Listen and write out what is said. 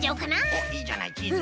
おっいいじゃないチーズ。